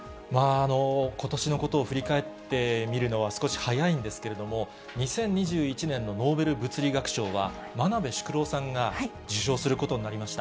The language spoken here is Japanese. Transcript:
ことしのことを振り返って見るのは少し早いんですけれども、２０２１年のノーベル物理学賞はまなべしゅくろうさんが受賞することになりました。